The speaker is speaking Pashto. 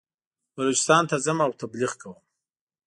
بلوچستان ته ځم او تبلیغ کوم.